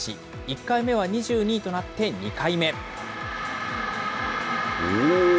１回目は２２位となって２回目。